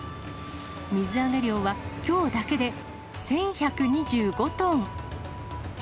水揚げ量は、きょうだけで１１２５トン。